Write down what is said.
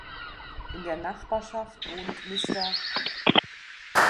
In der Nachbarschaft wohnt Mr.